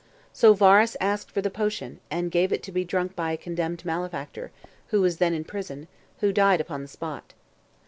So Varus asked for the potion, and gave it to be drunk by a condemned malefactor, who was then in prison, who died upon the spot.